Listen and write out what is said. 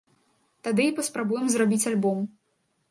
Тады і паспрабуем зрабіць альбом.